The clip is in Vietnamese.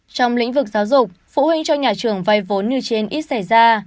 trong lĩnh vực giáo dục phụ huynh cho nhà trường vay vốn như trên ít xảy ra